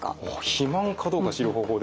肥満かどうか知る方法ですか？